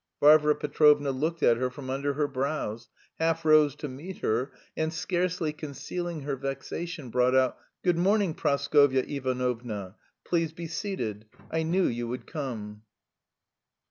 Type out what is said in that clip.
Varvara Petrovna looked at her from under her brows, half rose to meet her, and scarcely concealing her vexation brought out: "Good morning, Praskovya Ivanovna, please be seated, I knew you would come!"